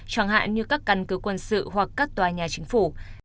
chẳng hạn như các căn cứ quân sự hoặc các tòa nhà chính phủ